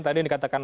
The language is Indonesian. tadi yang dikatakan